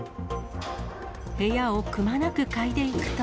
部屋をくまなく嗅いでいくと。